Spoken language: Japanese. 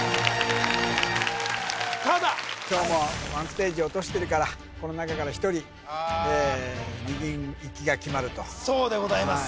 ただ今日も１ステージ落としてるからこの中から１人２軍行きが決まるとそうでございます